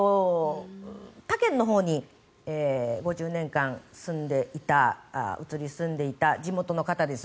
他県のほうに５０年間住んでいた移り住んでいた地元の方です